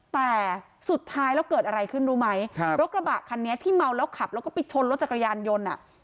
แต่สุดท้ายแล้วเกิดอะไรขึ้นรู้ไหมครับรถกระบะคันนี้ที่เมาแล้วขับแล้วก็ไปชนรถจักรยานยนต์อ่ะ